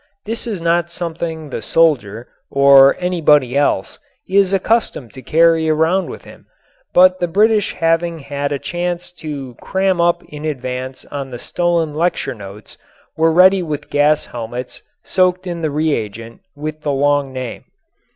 This is not something the soldier or anybody else is accustomed to carry around with him, but the British having had a chance to cram up in advance on the stolen lecture notes were ready with gas helmets soaked in the reagent with the long name.